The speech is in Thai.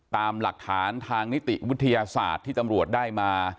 ตามหลักฐานทางนิติวิทยาศาสตร์ที่ตำรวจได้มา